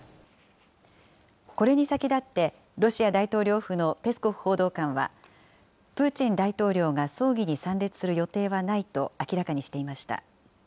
これに先立って、ロシア大統領府のペスコフ報道官は、プーチン大統領が葬儀に参列する予定はないと明らかにしていました。